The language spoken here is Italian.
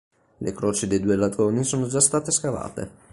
Le croci dei due ladroni sono già state scavate.